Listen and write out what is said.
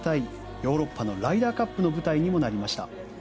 ヨーロッパのライダーカップの舞台にもなりました。